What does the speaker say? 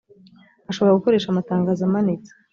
ashobora gukoresha amatangazo amanitse